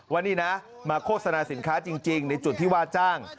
ว่านี่นะมาโฆษณาสินค้าจริงในจุดที่ว่าจ้าง